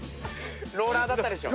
ローラーだったでしょ？